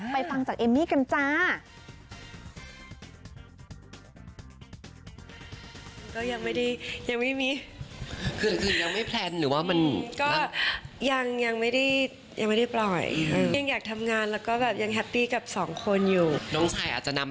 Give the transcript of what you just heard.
ฟังจากเอมมี่กันจ้า